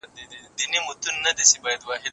د استقامت لرل د ايمان یوه ښکلی درجه ده.